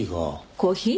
コーヒー？